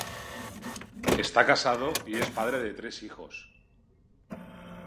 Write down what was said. Está casado y es padre de tres hijos.